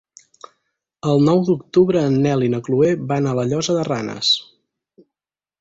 El nou d'octubre en Nel i na Chloé van a la Llosa de Ranes.